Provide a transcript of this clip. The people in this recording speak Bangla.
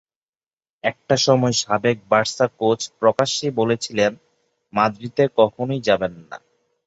একটা সময় সাবেক বার্সা কোচ প্রকাশ্যেই বলেছিলেন, মাদ্রিদে কখনোই যাবেন না।